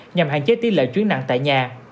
nhằm hạn chế tí lợi chuyến nặng tại nhà